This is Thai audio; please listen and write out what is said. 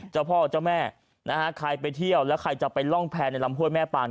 เจ้าพ่อเจ้าแม่นะฮะใครไปเที่ยวแล้วใครจะไปร่องแพร่ในลำห้วยแม่ปาน